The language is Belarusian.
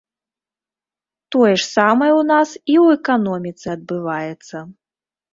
Тое ж самае ў нас і ў эканоміцы адбываецца.